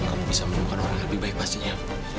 aku bisa membuka ruangan lebih baik pastinya